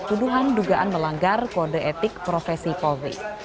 tuduhan dugaan melanggar kode etik profesi polri